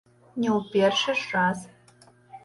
Не ў першы ж раз!